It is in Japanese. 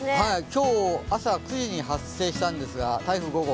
今日朝９時に発生したんですが台風５号。